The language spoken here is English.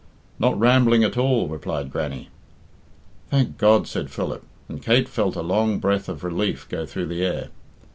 "Not rambling at all," replied Grannie. "Thank God," said Philip, and Kate felt a long breath of relief go through the air.